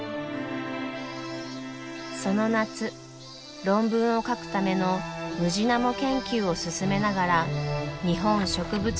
その夏論文を書くためのムジナモ研究を進めながら「日本植物志図譜」